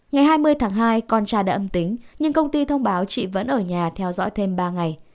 ngày hai mươi tháng hai con tra đã âm tính nhưng công ty thông báo chị vẫn ở nhà theo dõi thêm ba ngày